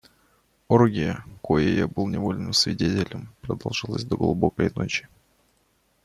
Оргия, коей я был невольным свидетелем, продолжалась до глубокой ночи.